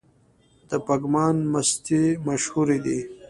د پګمان مستې مشهورې دي؟